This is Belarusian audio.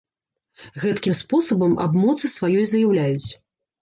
Гэткім спосабам аб моцы сваёй заяўляюць.